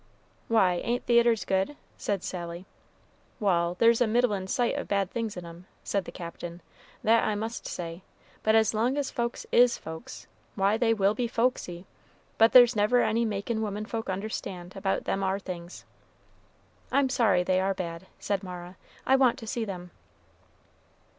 "Why, ain't theatres good?" said Sally. "Wal', there's a middlin' sight o' bad things in 'em," said the Captain, "that I must say; but as long as folks is folks, why, they will be folksy; but there's never any makin' women folk understand about them ar things." "I am sorry they are bad," said Mara; "I want to see them."